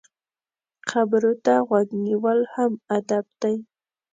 خبرو ته غوږ نیول هم ادب دی.